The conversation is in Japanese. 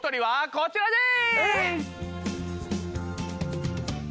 こちらです！